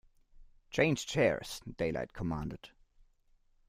Change chairs, Daylight commanded.